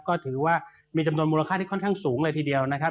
ก็ถือว่ามีจำนวนมูลค่าที่ค่อนข้างสูงเลยทีเดียวนะครับ